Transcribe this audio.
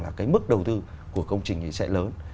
là cái mức đầu tư của công trình ấy sẽ lớn